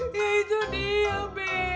ya itu dia be